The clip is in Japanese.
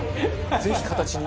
ぜひ形に。